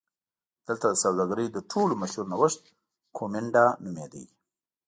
دلته د سوداګرۍ تر ټولو مشهور نوښت کومېنډا نومېده